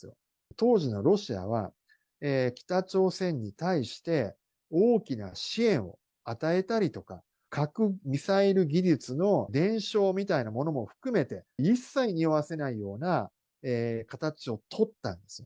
当時のロシアは北朝鮮に対して大きな支援を与えたりとか、核ミサイル技術の伝承みたいなものも含めて、一切におわせないような形を取ったんです。